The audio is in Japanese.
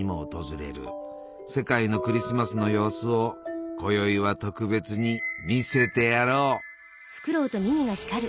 世界のクリスマスの様子をこよいは特別に見せてやろう。